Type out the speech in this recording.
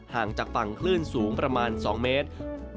ห่างจากฝั่งคลื่นสูงประมาณ๒เมตร